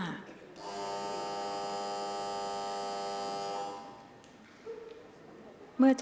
กรรมการท่านที่ห้าได้แก่กรรมการใหม่เลขเก้า